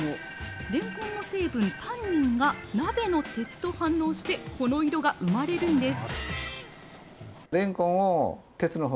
レンコンの成分、タンニンが鍋の鉄と反応して、この色が生まれるんです。